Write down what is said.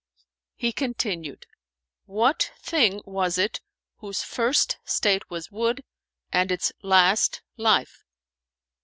'" He continued, "What thing was it, whose first state was wood and its last life?"